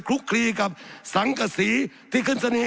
สับขาหลอกกันไปสับขาหลอกกันไป